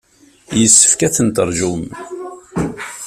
Yessefk ad tent-teṛjum.